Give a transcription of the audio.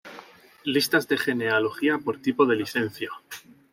Listas de genealogía por tipo de licencia